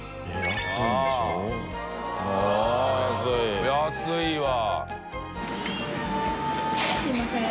安いわ。